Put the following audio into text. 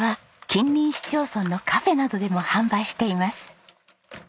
近隣市町村のカフェなどでも販売しています。